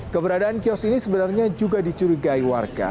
keberadaan kios ini sebenarnya juga dicurigai warga